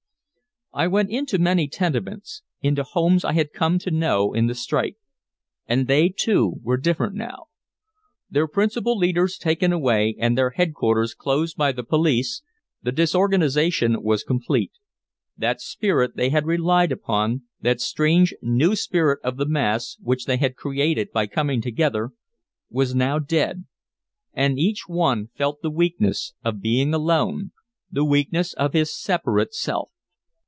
I went into many tenements, into homes I had come to know in the strike. And they, too, were different now. Their principal leaders taken away and their headquarters closed by the police, the disorganization was complete. That spirit they had relied upon, that strange new spirit of the mass which they had created by coming together, was now dead and each one felt the weakness of being alone, the weakness of his separate self.